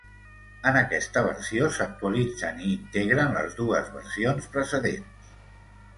En aquesta versió s'actualitzen i integren les dues versions precedents.